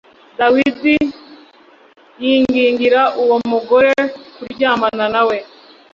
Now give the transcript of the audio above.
Dawidi yingingira uwo mugore kuryamana nawe